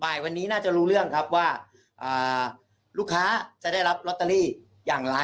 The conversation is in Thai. วันนี้น่าจะรู้เรื่องครับว่าลูกค้าจะได้รับลอตเตอรี่อย่างไร